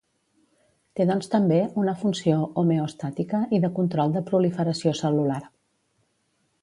Té doncs també una funció homeostàtica i de control de proliferació cel·lular.